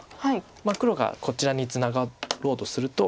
まあ黒がこちらにツナがろうとすると。